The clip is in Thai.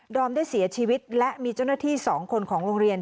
อมได้เสียชีวิตและมีเจ้าหน้าที่๒คนของโรงเรียน